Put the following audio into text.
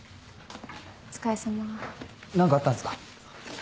何かあったんすか？